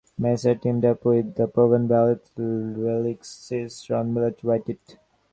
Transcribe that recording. Masser teamed up with the proven ballad lyricist Ron Miller to write it.